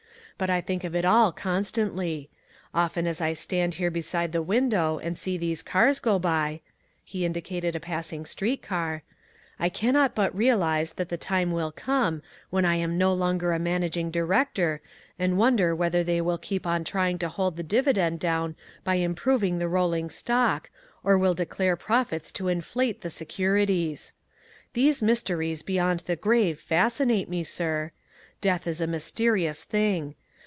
But I think of it all constantly. Often as I stand here beside the window and see these cars go by" he indicated a passing street car "I cannot but realise that the time will come when I am no longer a managing director and wonder whether they will keep on trying to hold the dividend down by improving the rolling stock or will declare profits to inflate the securities. These mysteries beyond the grave fascinate me, sir. Death is a mysterious thing.